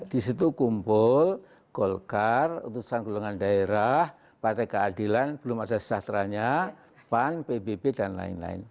di situ kumpul golkar utusan golongan daerah partai keadilan belum ada sejahteranya pan pbb dan lain lain